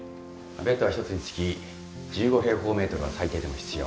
ベッドは一つにつき１５平方メートルは最低でも必要。